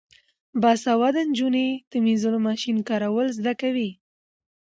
باسواده نجونې د مینځلو ماشین کارول زده کوي.